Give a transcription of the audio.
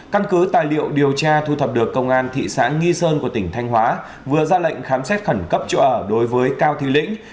căn cứ tài liệu điều tra thu thập được công an thị xã nghi sơn của tỉnh thanh hóa vừa ra lệnh khám xét khẩn cấp chỗ ở đối với cao thị lĩnh